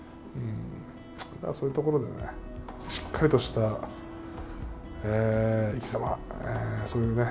そういうところでねしっかりとした生きざまそういうね